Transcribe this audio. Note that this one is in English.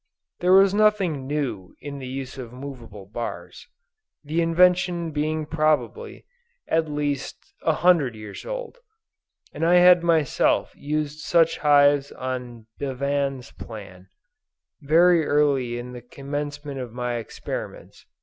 There was nothing new in the use of movable bars; the invention being probably, at least, a hundred years old; and I had myself used such hives on Bevan's plan, very early in the commencement of my experiments.